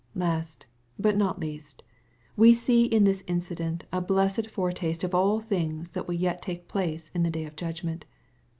Last, but not least, we see in this incident a blessed foretaste of things that will yet take place in the day ol judgment.